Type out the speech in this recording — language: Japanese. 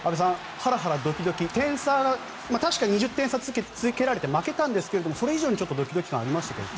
ハラハラドキドキ、点差は確かに２０点差つけられて負けたんですがそれ以上にドキドキ感がありましたけどね。